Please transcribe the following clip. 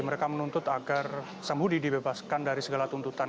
mereka menuntut agar sambudi dibebaskan dari segala tuntutan